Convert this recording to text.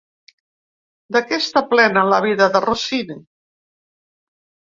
De què està plena la vida de Rossini?